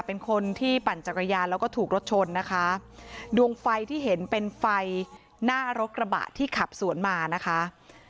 เป็นคนที่ปั่นจักรยานแล้วก็ถูกรถชนนะคะดวงไฟที่เห็นเป็นไฟหน้ารถกระบะที่ขับสวนมานะคะ